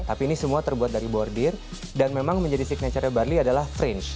tapi ini semua terbuat dari bordir dan memang menjadi signature nya barli adalah franch